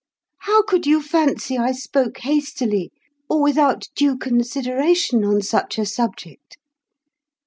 How could you fancy I spoke hastily, or without due consideration on such a subject?